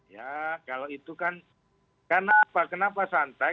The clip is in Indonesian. ya kalau itu kan kenapa santai